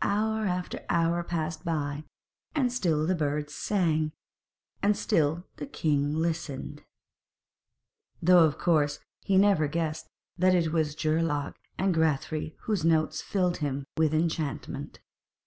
Hour after hour passed by, and still the birds sang, and still the king listened, though of course he never guessed that it was Geirlaug and Grethari whose notes filled him with enchantment.